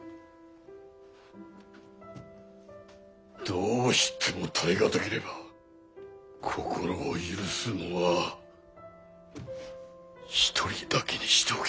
どうしても耐え難ければ心を許すのは一人だけにしておけ。